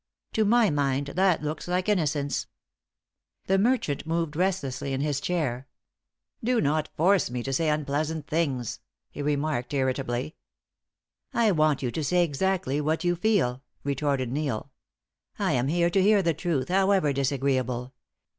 "To my mind that looks likes innocence." The merchant moved restlessly in his chair. "Do not force me to say unpleasant things," he remarked, irritably. "I want you to say exactly what you feel," retorted Neil. "I am here to hear the truth, however disagreeable.